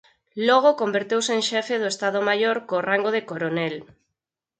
Logo converteuse en xefe do Estado Maior co rango de coronel.